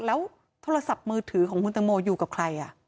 แล้วโทรศัพท์มือถือของคุณตังโมอยู่กับใคร